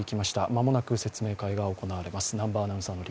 間もなく説明会が行われます。